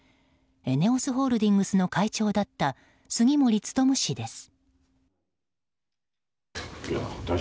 ＥＮＥＯＳホールディングスの会長だった杉森務氏です。